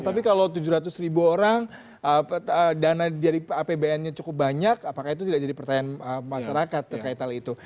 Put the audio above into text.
tapi kalau tujuh ratus ribu orang dana dari apbn nya cukup banyak apakah itu tidak jadi pertanyaan masyarakat terkait hal itu